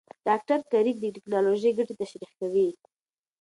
ډاکټر کریګ د ټېکنالوژۍ ګټې تشریح کوي.